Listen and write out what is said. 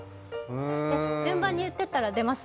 順番に言ってったら出ます？